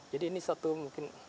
jadi ini satu mungkin